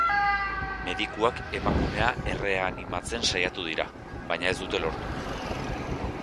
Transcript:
Medikuak emakumea erreanimatzen saiatu dira, baina ez dute lortu.